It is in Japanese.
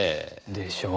でしょう？